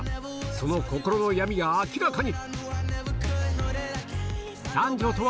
その心の闇が明らかに！